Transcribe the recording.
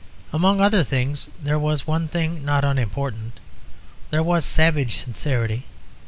Among other things there was one thing not unimportant; there was savage sincerity.